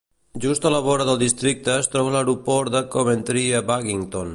Just a la vora del districte es troba l'aeroport de Coventry a Baginton.